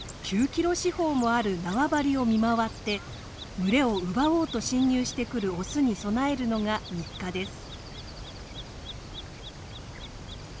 ９キロ四方もある縄張りを見回って群れを奪おうと侵入してくるオスに備えるのが日課です。